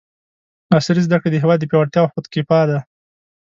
عصري زده کړې د هېواد پیاوړتیا او خودکفاء ده!